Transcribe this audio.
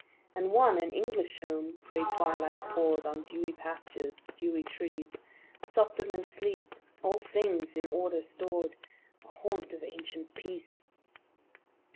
And one, an English home â gray twilight pour'd On dewy pastures, dewy trees, Softer than sleep â all things in order stored, A haunt of ancient Peace.